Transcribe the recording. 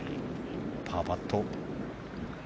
パーパット。